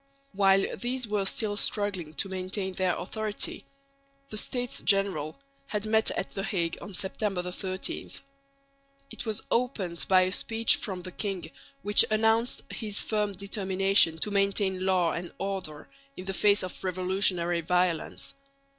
While these were still struggling to maintain their authority, the States General had met at the Hague on September 13. It was opened by a speech from the king which announced his firm determination to maintain law and order in the face of revolutionary violence.